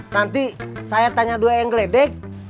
nanti saya tanya dua yang geledek